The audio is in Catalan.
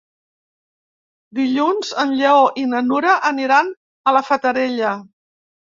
Dilluns en Lleó i na Nura aniran a la Fatarella.